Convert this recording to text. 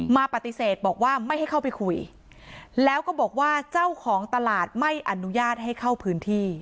มาปฏิเสธบอกว่าไม่ให้เข้าไปคุยแล้วก็บอกว่าเจ้าของตลาดไม่อนุญาตให้เข้าพื้นที่